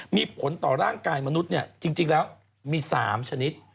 มีผลต่อร่างกายมนุษย์จริงแล้วมี๓ชนิด